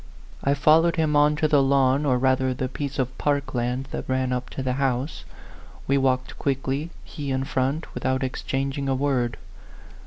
I followed him on to the lawn, or rather the piece of park land that ran up to the house. We walked quickly, he in front, without ex changing a word.